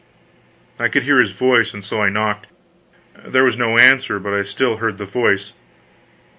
I could hear his voice, and so I knocked. There was no answer, but I still heard the voice.